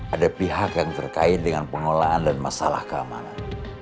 ada pihak yang terkait dengan pengelolaan dan masalah keamanan